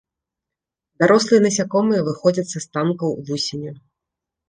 Дарослыя насякомыя выходзяць з астанкаў вусеня.